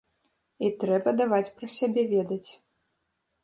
І трэба даваць пра сябе ведаць.